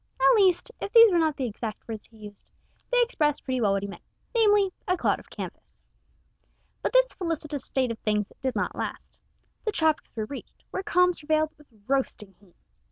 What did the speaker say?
At least, if these were not the exact words he used, they express pretty well what he meant, namely, a "cloud of canvas." But this felicitous state of things did not last. The tropics were reached, where calms prevailed with roasting heat.